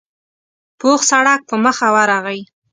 پوخ سړک په مخه ورغی.